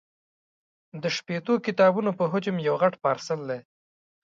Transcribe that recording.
د شپېتو کتابونو په حجم یو غټ پارسل دی.